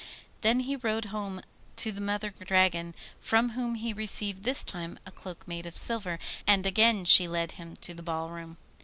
Then he rode home to the Mother Dragon, from whom he received this time a cloak made of silver, and again she led him to the ball room.